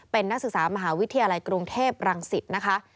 เป็นนักศึกษามหาวิทยาลัยกรุงเทพรังสิตนะคะ